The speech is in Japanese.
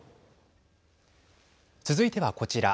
続いては、こちら。